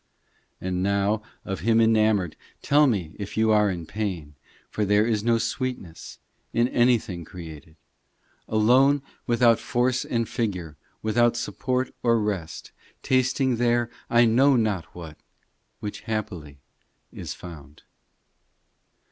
VI And now of Him enamoured, Tell me if you are in pain ; For there is no sweetness In any thing created. Alone without form and figure, Without support or rest, Tasting there I know not what, Which happily is found.